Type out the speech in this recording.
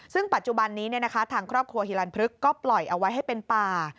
ซึ่งปัจจุบันนี้ทางครอบครัวฮิลันพฤกษ์ก็ปล่อยเอาไว้ให้เป็นป่า